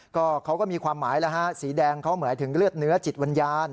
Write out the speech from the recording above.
ก็เขาก็มีความหมายแล้วฮะสีแดงเขาหมายถึงเลือดเนื้อจิตวิญญาณ